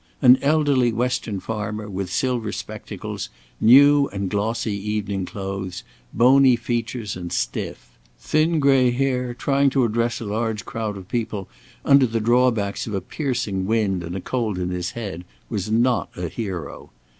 An elderly western farmer, with silver spectacles, new and glossy evening clothes, bony features, and stiff; thin, gray hair, trying to address a large crowd of people, under the drawbacks of a piercing wind and a cold in his head, was not a hero.